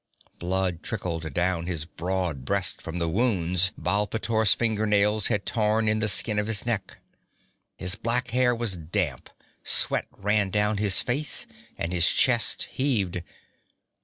Blood trickled down his broad breast from the wounds Baal pteor's finger nails had torn in the skin of his neck. His black hair was damp, sweat ran down his face, and his chest heaved.